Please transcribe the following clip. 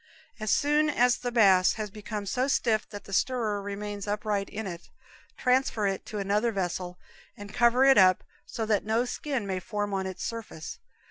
As soon as the mass has become so stiff that the stirrer remains upright in it, transfer it to another vessel and cover it up so that no skin may form on its surface.